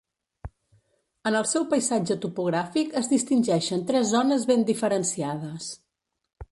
En el seu paisatge topogràfic es distingeixen tres zones ben diferenciades.